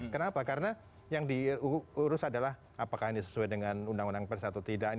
kenapa karena yang diurus adalah apakah ini sesuai dengan undang undang pers atau tidak